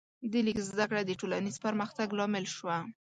د لیک زده کړه د ټولنیز پرمختګ لامل شوه.